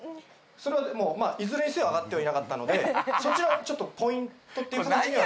それはいずれにせよ上がってはいなかったのでそちらをちょっとポイントっていう形には。